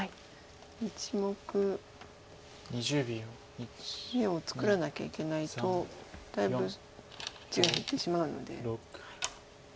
１目眼を作らなきゃいけないとだいぶ地が減ってしまうので。